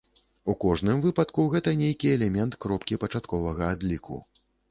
У кожным выпадку, гэта нейкі элемент кропкі пачатковага адліку.